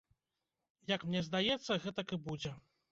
Як мне здаецца, гэтак і будзе.